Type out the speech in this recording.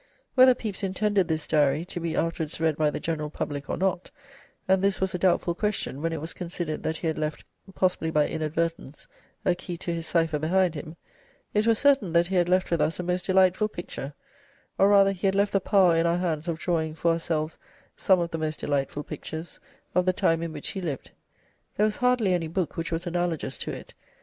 Whether Pepys intended this Diary to be afterwards read by the general public or not and this was a doubtful question when it was considered that he had left, possibly by inadvertence, a key to his cypher behind him it was certain that he had left with us a most delightful picture, or rather he had left the power in our hands of drawing for ourselves some, of the most delightful pictures, of the time in which he lived. There was hardly any book which was analogous to it.....